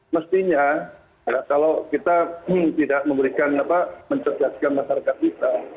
mestinya kalau kita tidak memberikan apa mencerdaskan masyarakat kita